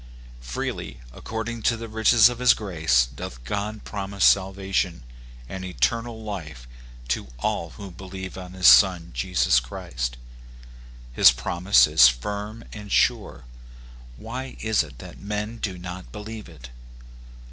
Freely, according to the riches of his grace, doth God promise salvation and eternal life to all who believe on his Son, Jesus Christ. His promise is firm and sure ; why is it that men do not believe it